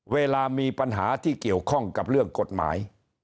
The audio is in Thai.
เวลามีปัญหาที่เกี่ยวข้องกับเรื่องกฎหมาย